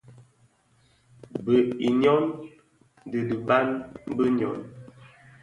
Bëug i nyôn, di biban bi nyôn.